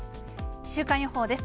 週間予報です。